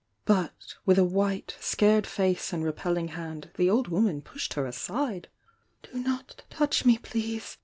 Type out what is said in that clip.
But, with a white, scared face and repelling hand, the old woman pushed her aside. "Do not touch me, please!"